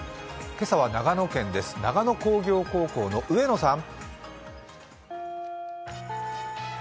今朝は長野県です、長野工業高校の上野さん。